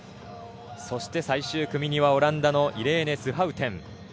そして最終組にはオランダのイレーネ・スハウテン。